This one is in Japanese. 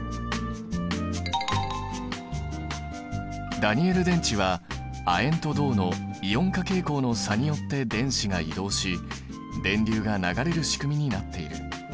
ダニエル電池は亜鉛と銅のイオン化傾向の差によって電子が移動し電流が流れるしくみになっている。